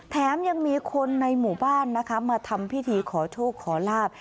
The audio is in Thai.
แถมยังมีคนในหมู่บ้านนะคะมาทำพิธีขอโชคขอลาบ